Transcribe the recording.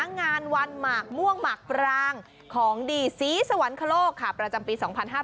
งานวันหมากม่วงหมากปรางของดีศรีสวรรคโลกประจำปี๒๕๕๙